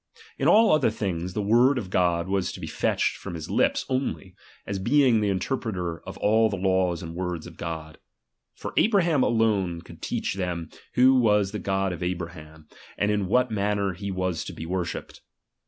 In all other things, the word of God was to be fetched from his lips only, as being the interpreter of all the laws and words of God. For Abraham alone could teach them who was the God of Abraham, and in what manner he was to be worshipped.